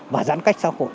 và giãn cách xã hội